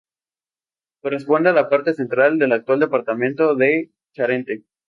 Corresponde a la parte central del actual departamento de Charente.